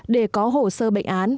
để có hồ sơ bệnh án